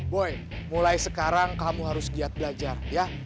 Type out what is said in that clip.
boy mulai sekarang kamu harus giat belajar ya